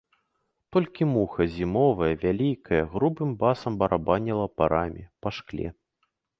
Толькі муха, зімовая, вялікая, грубым басам барабаніла па раме, па шкле.